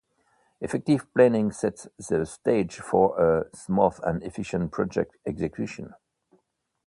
Effective planning sets the stage for a smooth and efficient project execution.